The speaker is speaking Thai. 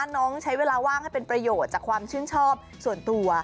ใช้เวลาว่างให้เป็นประโยชน์จากความชื่นชอบส่วนตัว